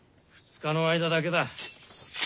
二日の間だけだ。